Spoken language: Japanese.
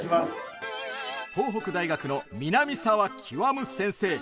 東北大学の南澤究先生。